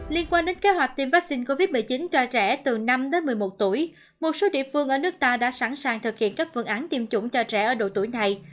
liên quan đến kế hoạch tiêm vaccine covid một mươi chín cho trẻ từ năm đến một mươi một tuổi một số địa phương ở nước ta đã sẵn sàng thực hiện các phương án tiêm chủng cho trẻ ở độ tuổi này